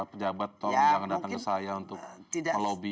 pejabat toko yang datang ke saya untuk melobi